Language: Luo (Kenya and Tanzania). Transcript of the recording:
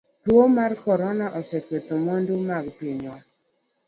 Tuo mar corona bende oseketho mwandu mag pinywa.